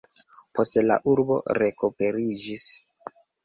Poste la urbo rekuperiĝis.